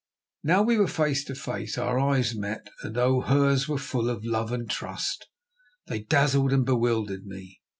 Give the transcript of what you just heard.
Now we were face to face. Our eyes met, and oh! hers were full of love and trust. They dazzled and bewildered me.